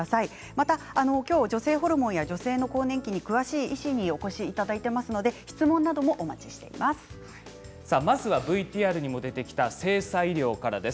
また今日、女性ホルモンや女性の更年期に詳しい医師にお越しいただいてますのでまずはＶＴＲにも出てきた性差医療からです。